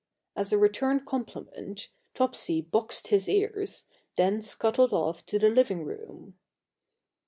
As a return compliment, Topsy boxed his ears, then scuttled off to the living room.